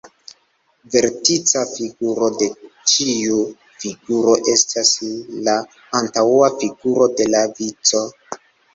Vertica figuro de ĉiu figuro estas la antaŭa figuro de la vico.